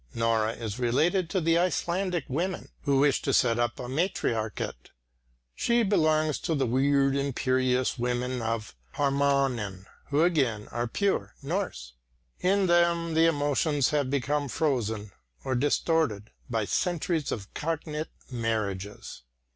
Nora is related to the Icelandic women who wished to set up a matriarchate; she belongs to the weird imperious women in Härmännen who again are pure Norse. In them the emotions have become frozen or distorted by centuries of cognate marriages.